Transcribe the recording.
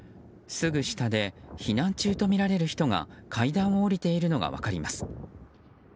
すぐ下で、避難中とみられる人が階段を下りているのが分かります。